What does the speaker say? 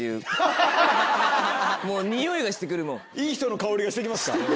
いい人の香りがして来ますか。